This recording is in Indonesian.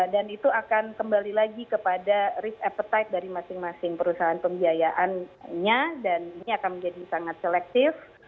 dan itu akan kembali lagi kepada risk appetite dari masing masing perusahaan pembiayaannya dan ini akan menjadi sangat selektif